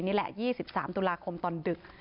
นี่แหละ๒๓ตุลาคมตอนดึก